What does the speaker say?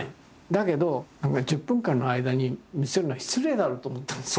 だけど１０分間の間に見せるのは失礼だろうと思ったんですよ。